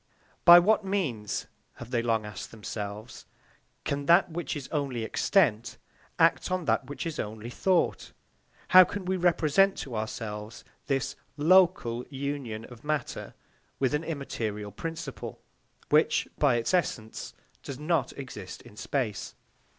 By what means, have they long asked themselves, can that which is only extent act on that which is only thought? How can we represent to ourselves this local union of matter with an immaterial principle, which, by its essence, does not exist in space?